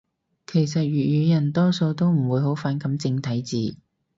其實粵語人多數都唔會好反感正體字